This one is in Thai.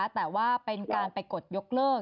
แต่ว่าเป็นการไปกดยกเลิก